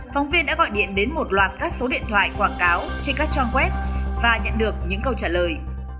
phóng viên đã gọi điện đến một loạt các số điện thoại quảng cáo trên các trang web và nhận được những câu trả lời